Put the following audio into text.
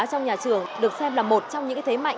trong nhà trường được xem là một trong những thế mạnh